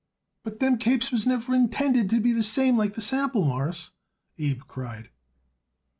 "But them capes was never intended to be the same like that sample, Mawruss," Abe cried.